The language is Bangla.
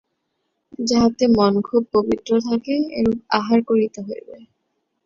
যাহাতে মন খুব পবিত্র থাকে, এরূপ আহার করিতে হইবে।